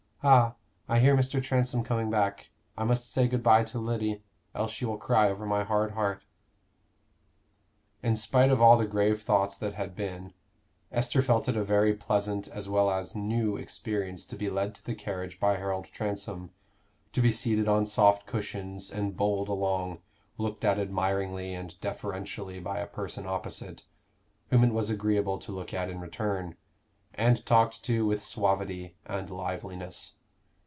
"Ah, I hear Mr. Transome coming back. I must say good bye to Lyddy, else she will cry over my hard heart." In spite of all the grave thoughts that had been, Esther felt it a very pleasant as well as new experience to be led to the carriage by Harold Transome, to be seated on soft cushions, and bowled along, looked at admiringly and deferentially by a person opposite, whom it was agreeable to look at in return, and talked to with suavity and liveliness.